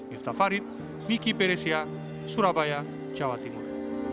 miftah farid miki peresia surabaya jawa timur